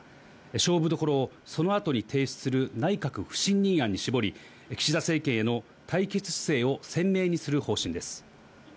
勝負どころをその後に提出する内閣不信任案に絞り、岸田政権への対決姿勢を鮮明にする方針です。